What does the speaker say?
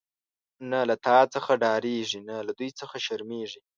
نه له تا څخه ډاریږی، نه له دوی څخه شرمیږی